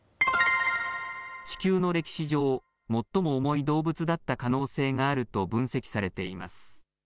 地球の歴史上、最も重い動物だった可能性があると分析されています。